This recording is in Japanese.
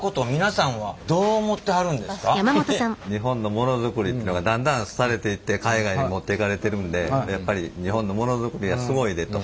日本のモノづくりってのがだんだん廃れていって海外に持っていかれてるんでやっぱり日本のモノづくりはすごいでと。